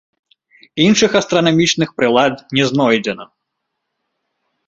Іншых астранамічных прылад не знойдзена.